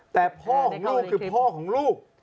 แต่พ่อของลูกคือพ่อของลูก